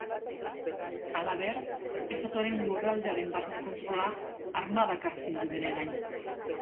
Halaber, estatuaren lurraldearen barne kontrola armadak hartzen du bere gain.